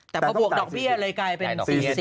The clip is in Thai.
แต่พอบวกดอกเบี้ยเลยกลายเป็น๔๐